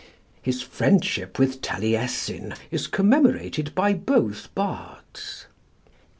His friendship with Taliessin is commemorated by both bards.